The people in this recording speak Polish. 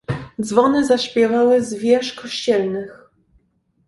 "Dzwony zaśpiewały z wież kościelnych."